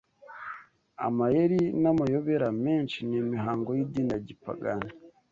amayeri n’amayobera menshi n’imihango y’idini ya gipagani